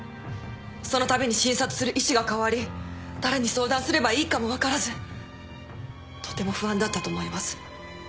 そのたびに診察する医師が代わり誰に相談すればいいかも分からずとても不安だったと思います。